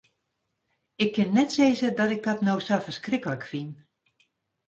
Ik kin net sizze dat ik dat no sa ferskriklik fyn.